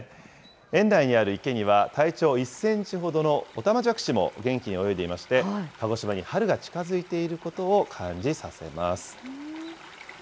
園内にある池には、体長１センチほどのおたまじゃくしも元気に泳いでいまして、鹿児島に春が近づいていることを感じさせます。